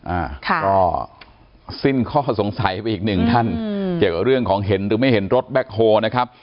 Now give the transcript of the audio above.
อ่าค่ะก็สิ้นข้อสงสัยไปอีกหนึ่งท่านอืมเกี่ยวกับเรื่องของเห็นหรือไม่เห็นรถแบ็คโฮนะครับ